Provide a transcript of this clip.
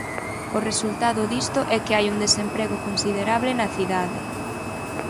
O resultado disto é que hai un desemprego considerable na cidade.